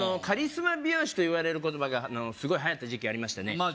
カリスマ美容師といわれる言葉がすごいはやった時期ありましたね